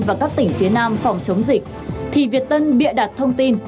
và các tỉnh phía nam phòng chống dịch thì việt tân bịa đặt thông tin